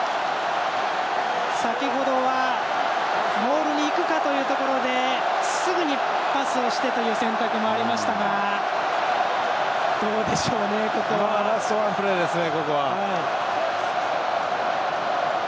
先ほどはモールに行くかというところですぐにパスをしてという選択もありましたがラストワンプレーですね。